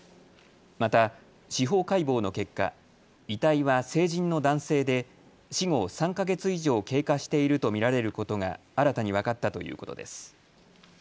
また、司法解剖の結果、遺体は成人の男性で死後３か月以上経過していると見られることが新たに分かったということです。